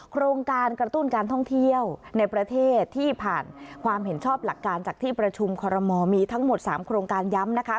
โครงการกระตุ้นการท่องเที่ยวในประเทศที่ผ่านความเห็นชอบหลักการจากที่ประชุมคอรมอลมีทั้งหมด๓โครงการย้ำนะคะ